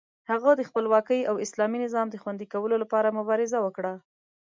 هغه د خپلواکۍ او اسلامي نظام د خوندي کولو لپاره مبارزه وکړه.